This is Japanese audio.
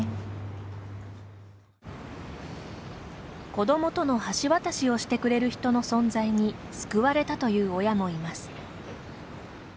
子どもとの橋渡しをしてくれる人の存在に救われたという親もいます。